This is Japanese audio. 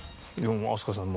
飛鳥さん